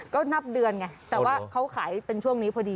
ก็นับเดือนไงแต่ว่าเขาขายเป็นช่วงนี้พอดี